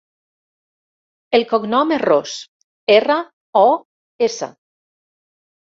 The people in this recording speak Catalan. El cognom és Ros: erra, o, essa.